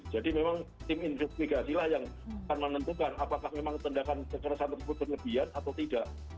jadi memang tim investigasi lah yang akan menentukan apakah memang tindakan kekerasan tersebut berlebihan atau tidak